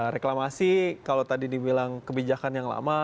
reklamasi kalau tadi dibilang kebijakan yang lama